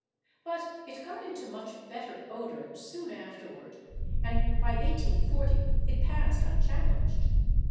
But it got into much better odor soon afterward, and by 1840 it passed unchallenged.